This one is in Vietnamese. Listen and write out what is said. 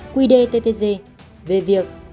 quy đề ttg về việc